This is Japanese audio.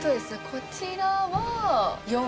こちらは４。